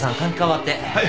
はい。